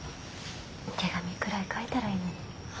手紙くらい書いたらいいのに。